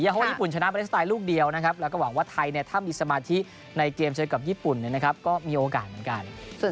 เพราะว่าญี่ปุ่นชนะปาเลสตายลูกเดียวนะครับแล้วก็หวังว่าไทยเนี่ยถ้ามีสมาธิในเกมเชื่อกับญี่ปุ่นเนี่ยนะครับก็มีโอกาสเหมือนกัน